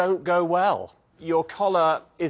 はい。